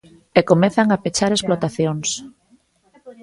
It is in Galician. E comezan a pechar explotacións.